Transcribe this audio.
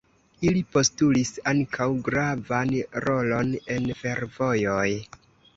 Ili postulis ankaŭ gravan rolon en fervojoj.